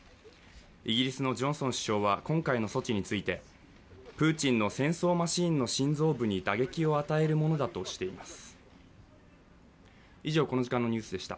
イギリスのジョンソン首相は今回の措置についてプーチンの戦争マシーンの心臓部に打撃を与えるものだとしています。